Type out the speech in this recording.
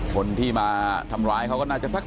คนที่มาทำร้ายเขาก็น่าจะสัก